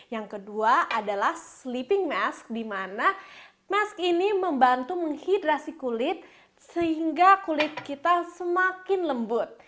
yang kedua adalah sleeping mesk di mana mask ini membantu menghidrasi kulit sehingga kulit kita semakin lembut